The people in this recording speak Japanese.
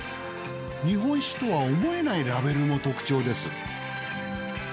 日本酒とは思えないラベルも特徴です。